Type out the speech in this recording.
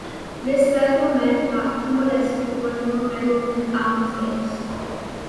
This therefore meant that Timor-Leste won no medals in the Athens Games.